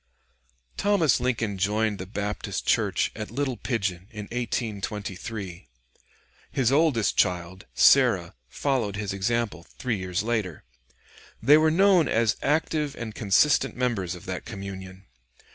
] Thomas Lincoln joined the Baptist church at Little Pigeon in 1823; his oldest child, Sarah, followed his example three years later. They were known as active and consistent members of that communion.